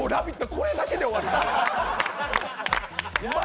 これだけで終わる。